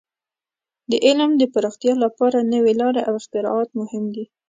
د علم د پراختیا لپاره نوې لارې او اختراعات مهم دي.